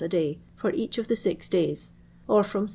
a day for each of the six days, or from 7s.